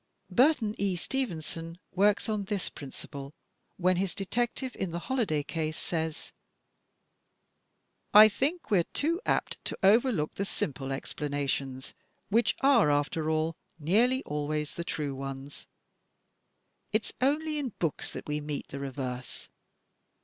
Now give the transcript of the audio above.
Burton E. Stevenson works on this principle when his detective in "The Holladay Case" says: "I think we're too apt to overlook the simple explanations, which are, after all, nearly always the true ones. It's only in books that we meet the reverse.